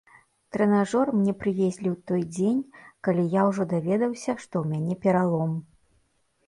Трэнажор мне прывезлі ў той дзень, калі я ўжо даведаўся, што ў мяне пералом.